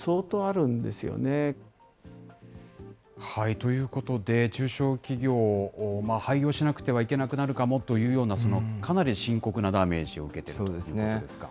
ということで、中小企業を廃業しなくてはいけなくなるかもというような、かなり深刻なダメージを受けているということですか。